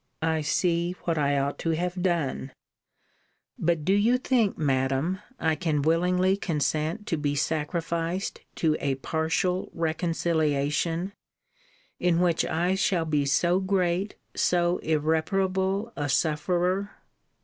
I see what I ought to have done. But do you think, Madam, I can willingly consent to be sacrificed to a partial reconciliation, in which I shall be so great, so irreparable a sufferer!